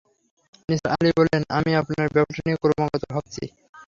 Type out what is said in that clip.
নিসার আলি বললেন, আমি আপনার ব্যাপারটা নিয়ে ক্রমাগত ভাবছি।